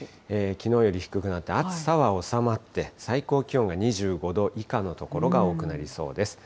きのうより低くなって暑さは収まって、最高気温が２５度以下の所が多くなりそうです。